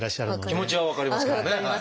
気持ちは分かりますけどね。